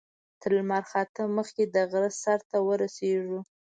تر لمر خاته مخکې د غره سر ته ورسېږو.